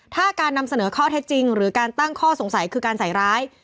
ถ้าการนำเสนอข้อเท็จจริงหรือการตั้งข้อสงสัยคือการใส่ร้าย